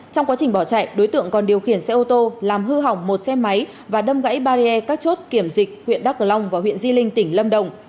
trong quá trình bỏ chạy đối tượng còn điều khiển xe ô tô làm hư hỏng một xe máy và đâm gãy barrier các chốt kiểm dịch huyện đắk cờ long và huyện di linh tỉnh lâm đồng